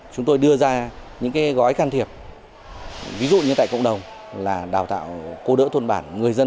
chúng tôi đưa ra những gói can thiệp ví dụ như tại cộng đồng là đào tạo cố đỡ thôn bản